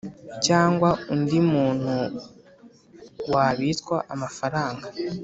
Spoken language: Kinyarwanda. cyangwa undi muntu wabitswa amafaranga